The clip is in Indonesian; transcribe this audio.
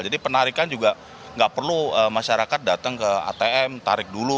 jadi penarikan juga tidak perlu masyarakat datang ke atm tarik dulu